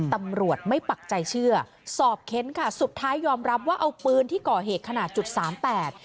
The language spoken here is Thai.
ตำรวจไม่ปักใจเชื่อสอบเค้นค่ะสุดท้ายยอมรับว่าเอาปืนที่ก่อเหตุขนาดจุดสามแปด